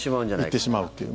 いってしまうという。